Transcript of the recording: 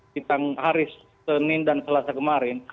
kita haris senin dan selasa kemarin